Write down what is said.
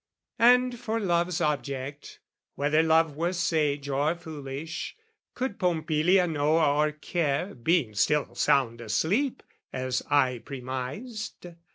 And for love's object, whether love were sage Or foolish, could Pompilia know or care, Being still sound asleep, as I premised?